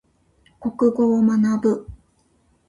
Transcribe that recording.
国語を学ぶ。